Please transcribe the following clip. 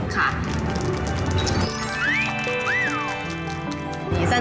ค่ะ